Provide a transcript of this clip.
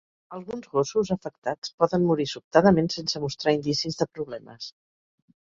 Alguns gossos afectats poden morir sobtadament sense mostrar indicis de problemes.